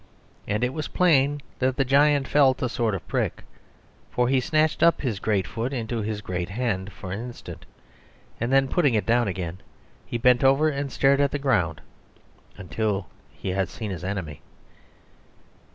And it was plain that the giant felt a sort of prick, for he snatched up his great foot into his great hand for an instant; and then, putting it down again, he bent over and stared at the ground until he had seen his enemy.